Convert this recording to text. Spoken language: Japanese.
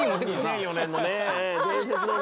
２００４年のねええ。